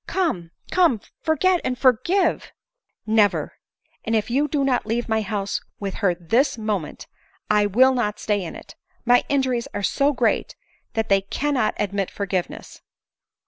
Come, come, forget and for give !"" Never ; and if .you do not leave the house with her this moment, I will not stay in it. My injuries are so great that they cannot admit forgiveness.